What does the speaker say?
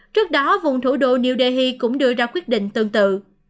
trước đó vùng thủ đô new delhi cũng đưa ra quyết định tương tự